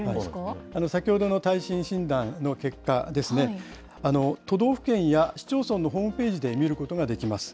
先ほどの耐震診断の結果ですね、都道府県や市町村のホームページで見ることができます。